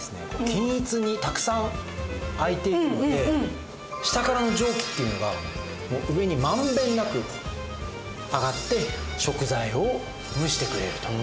均一にたくさん開いているので下からの蒸気っていうのが上にまんべんなく上がって食材を蒸してくれると。